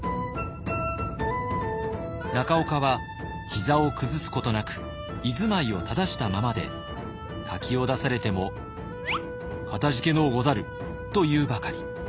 中岡は膝を崩すことなく居ずまいを正したままで柿を出されても「かたじけのうござる」と言うばかり。